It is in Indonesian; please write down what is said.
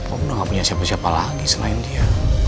om udah gak punya siapa siapa lagi selain dia